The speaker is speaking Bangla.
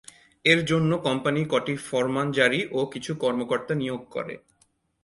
এর জন্য কোম্পানি কটি ফরমান জারী ও কিছু কর্মকর্তা নিয়োগ করে।